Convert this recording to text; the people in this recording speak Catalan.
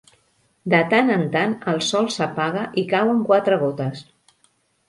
De tant en tant el sol s'apaga i cauen quatre gotes.